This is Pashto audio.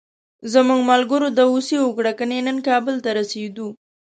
زموږ ملګرو داوسي وکړه، کني نن کابل ته رسېدلو.